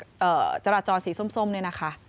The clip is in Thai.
เปิดจราจรสีส้มเลยนะคะ